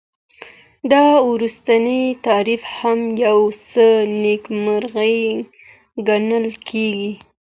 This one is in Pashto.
دا وروستی تعریف هم یو څه نیمګړی ګڼل کیږي.